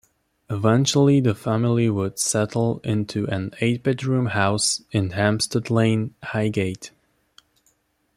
Eventually the family would settle into an eight-bedroom house in Hampstead Lane, Highgate.